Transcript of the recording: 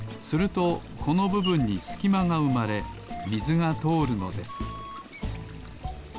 するとこのぶぶんにすきまがうまれみずがとおるのです